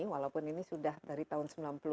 walaupun ini sudah dari tahun